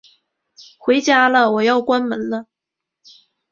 回家啦，我要关门了